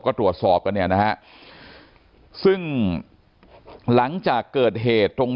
ก็ตรวจสอบกันเนี่ยนะฮะซึ่งหลังจากเกิดเหตุตรง